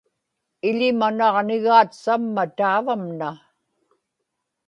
iḷimanaġnigaat samma taavamna